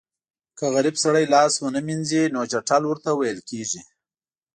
که غریب سړی لاس ونه وینځي نو چټل ورته ویل کېږي.